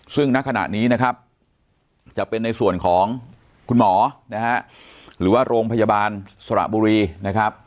ซึ่งณขณะนี้นะครับจะเป็นในส่วนของคุณหมอนะฮะหรือว่าโรงพยาบาลสระบุรีนะครับ